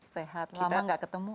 sehat lama nggak ketemu